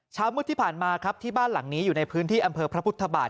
มืดที่ผ่านมาครับที่บ้านหลังนี้อยู่ในพื้นที่อำเภอพระพุทธบาท